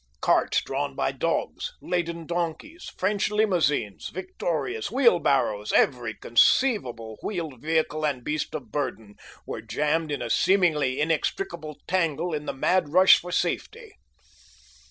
Carts drawn by dogs, laden donkeys, French limousines, victorias, wheelbarrows—every conceivable wheeled vehicle and beast of burden—were jammed in a seemingly inextricable tangle in the mad rush for safety.